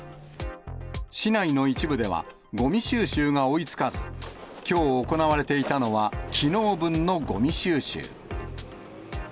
市内の一部では、ごみ収集が追いつかず、きょう行われていたのは、きのう分のごみ収集。